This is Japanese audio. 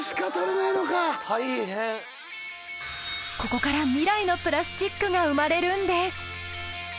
ここから未来のプラスチックが生まれるんです。